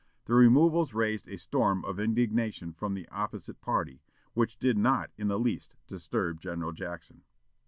The removals raised a storm of indignation from the opposite party, which did not in the least disturb General Jackson.